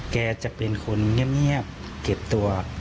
แกจะเป็นคนเงียบเก็บตัว